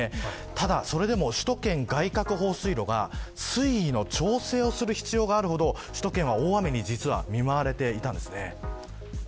ただ、それでも首都圏外郭放水路が水位の調整をする必要があるほど首都圏は大雨に見舞われていたんです。